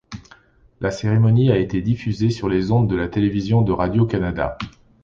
La cérémonie a été diffusée sur les ondes de la Télévision de Radio-Canada.